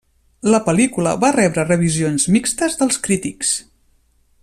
La pel·lícula va rebre revisions mixtes dels crítics.